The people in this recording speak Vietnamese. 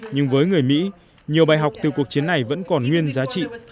nhưng với người mỹ nhiều bài học từ cuộc chiến này vẫn còn nguyên giá trị